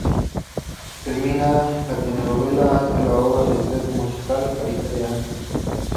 Terminada la telenovela, hace la obra de teatro musical "Carita de ángel.